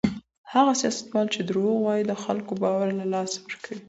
هغه سياستوال چي درواغ وايي د خلګو باور له لاسه ورکوي.